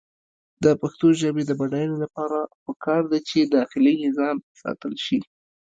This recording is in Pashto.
د پښتو ژبې د بډاینې لپاره پکار ده چې داخلي نظام ساتل شي.